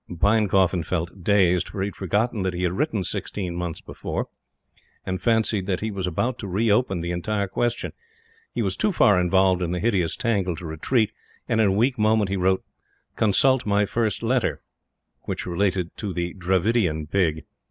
Pinecoffin felt dazed, for he had forgotten what he had written sixteen month's before, and fancied that he was about to reopen the entire question. He was too far involved in the hideous tangle to retreat, and, in a weak moment, he wrote: "Consult my first letter." Which related to the Dravidian Pig.